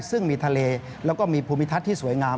ซึ่งมีทะเลแล้วก็มีภูมิทัศน์ที่สวยงาม